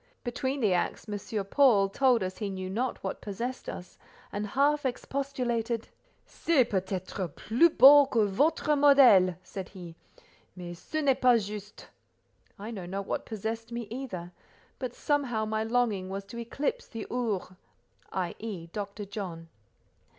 Between the acts M. Paul, told us he knew not what possessed us, and half expostulated. "C'est peut être plus beau que votre modèle," said he, "mais ce n'est pas juste." I know not what possessed me either; but somehow, my longing was to eclipse the "Ours," i.e., Dr. John.